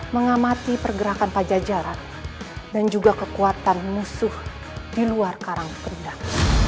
mengamati pergerakan pajajaran dan juga kekuatan musuh di luar karang terindah